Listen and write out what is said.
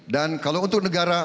dan kalau untuk negara